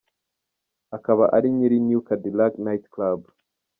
akaba na nyiri New Cadillac Night Club.